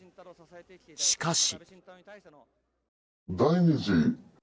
しかし。